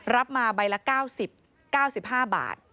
รับมาใบละ๙๐๙๕บาท